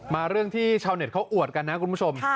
เรื่องที่ชาวเน็ตเขาอวดกันนะคุณผู้ชม